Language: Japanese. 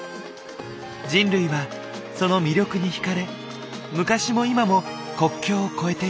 人類はその魅力に惹かれ昔も今も国境をこえていく。